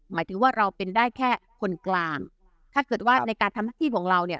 หมายถึงว่าเราเป็นได้แค่คนกลางถ้าเกิดว่าในการทำหน้าที่ของเราเนี่ย